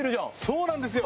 そうなんですよ。